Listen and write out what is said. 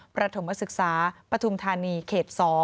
ประถมศึกษาปฐุมธานีเขต๒